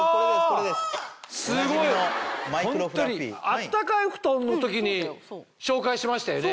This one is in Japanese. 暖かい布団の時に紹介しましたよね？